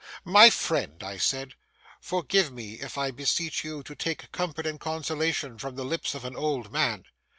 'My friend,' I said, 'forgive me if I beseech you to take comfort and consolation from the lips of an old man.